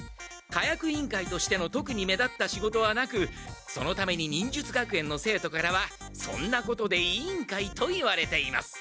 火薬委員会としてのとくに目立った仕事はなくそのために忍術学園の生徒からは「そんなことでいいんかい」といわれています。